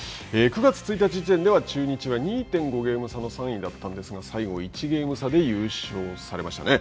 ９月１日時点では、中日は２．５ゲーム差の３位だったんですが、最後１ゲーム差で優勝されましたね。